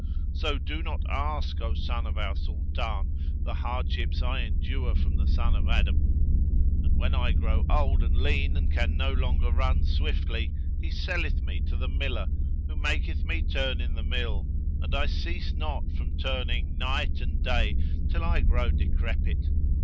So do not ask, O son of our Sultan, the hardships I endure from the son of Adam. And when I grow old and lean and can no longer run swiftly, he selleth me to the miller who maketh me turn in the mill, and I cease not from turning night and day till I grow decrepit.